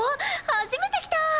初めて来たー！